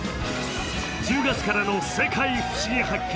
１０月からの「世界ふしぎ発見！」